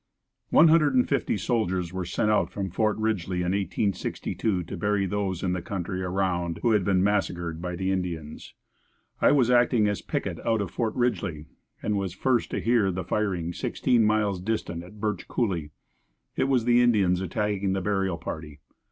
One hundred and fifty soldiers were sent out from Fort Ridgely in 1862 to bury those in the country around who had been massacred by the Indians. I was acting as picket out of Fort Ridgely and was first to hear the firing sixteen miles distant at Birch Coolie. It was the Indians attacking the burial party.